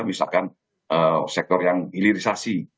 misalkan sektor yang hilirisasi